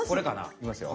いきますよ。